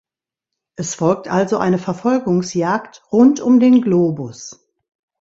Es folgt also eine Verfolgungsjagd rund um den Globus.